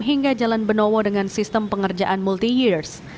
hingga jalan benowo dengan sistem pengerjaan multi years